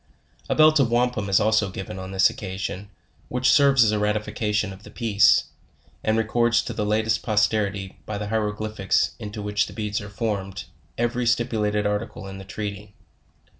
A belt of wampum is also given on this occasion, which serves as a ratification of the peace, and records to the latest posterity, by the hieroglyphics into which the beds are form ed, every stipulated article in the treaty.